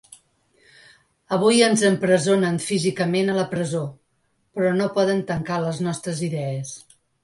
Avui ens empresonen físicament a la presó, però no poden tancar les nostres idees.